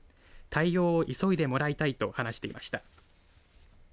対応を急いでもらいたいと話していました。